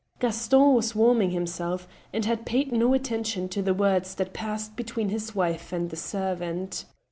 Gaston was warming himself, and had paid no attention to the words that passed between his wife and the servant.